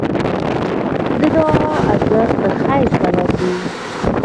د دعا ارزښت د خیر سبب دی.